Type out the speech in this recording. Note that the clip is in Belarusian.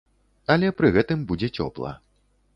Але пры гэтым будзе цёпла.